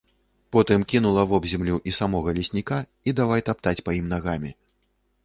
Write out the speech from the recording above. Потым кінула вобземлю і самога лесніка і давай таптаць па ім нагамі.